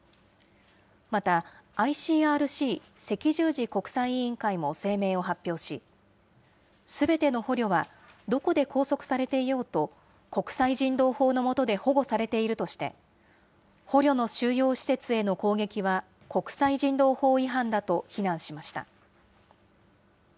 また、ＩＣＲＣ・赤十字国際委員会も声明を発表し、すべての捕虜は、どこで拘束されていようと、国際人道法の下で保護されているとして、捕虜の収容施設への攻撃は国際人道法違反だと非難しました。